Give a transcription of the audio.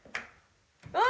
あ！